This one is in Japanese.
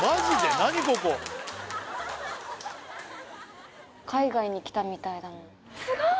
何ここ海外に来たみたいだもんすごい！